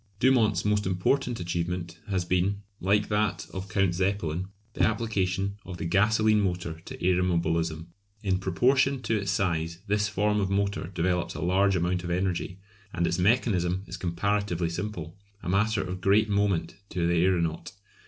Dumont's most important achievement has been, like that of Count Zeppelin, the application of the gasolene motor to aeromobilism. In proportion to its size this form of motor develops a large amount of energy, and its mechanism is comparatively simple a matter of great moment to the aeronaut.